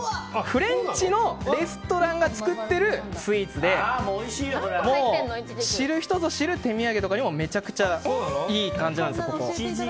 フレンチのレストランが作ってるスイーツで知る人ぞ知る手土産とかにもめちゃくちゃいい感じです。